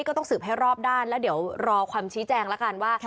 ก็ต้องสืบให้รอบด้านแล้วเดี๋ยวรอความชี้แจงแล้วกันว่า